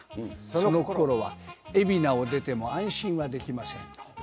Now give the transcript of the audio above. そのこころは、海老名を出ても安心はできません。